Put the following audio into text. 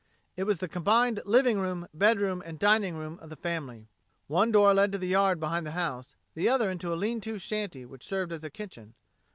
It was the combined living room, bedroom, and dining room of the family. One door led to the yard behind the house, the other into a lean to shanty which served as a kitchen.